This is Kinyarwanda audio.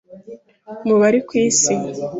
mu bari ku Isi